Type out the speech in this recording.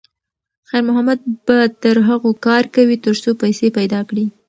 خیر محمد به تر هغو کار کوي تر څو پیسې پیدا کړي.